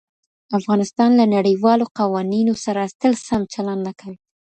افغانستان له نړیوالو قوانینو سره تل سم چلند نه کوي.